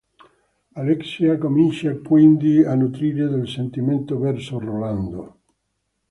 Alexia comincia quindi a nutrire del sentimento verso Rolando.